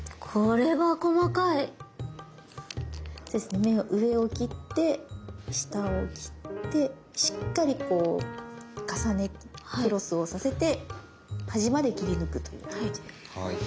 目は上を切って下を切ってしっかりこう重ねてクロスをさせて端まで切り抜くという感じで。